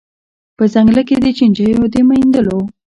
په ځنګله کي د چینجیو د میندلو